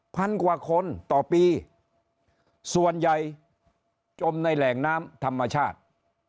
พันกว่าคนต่อปีส่วนใหญ่จมในแหล่งน้ำธรรมชาติ